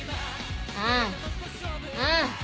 うんうん。